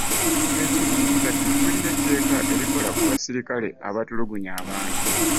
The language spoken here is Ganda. Ekirungi kati tulina etteka erikola ku basirikale abatulugunya abantu